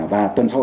và tuần sau